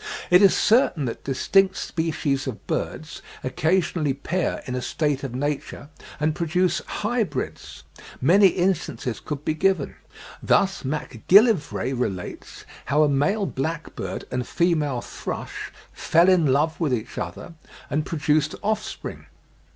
It is certain that distinct species of birds occasionally pair in a state of nature and produce hybrids. Many instances could be given: thus Macgillivray relates how a male blackbird and female thrush "fell in love with each other," and produced offspring.